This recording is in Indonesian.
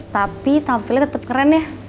tapi tampilnya tetap keren ya